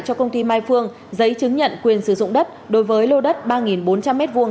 cho công ty mai phương giấy chứng nhận quyền sử dụng đất đối với lô đất ba bốn trăm linh m hai